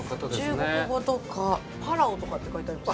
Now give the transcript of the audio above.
中国語とかパラオとかって書いてありますね。